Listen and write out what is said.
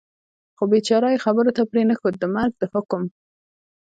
خو بېچاره یې خبرو ته پرېنښود، د مرګ د حکم.